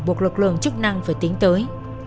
buộc lực lượng chức năng phải tính tới